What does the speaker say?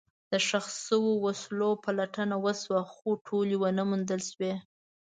د ښخ شوو وسلو پلټنه وشوه، خو ټولې ونه موندل شوې.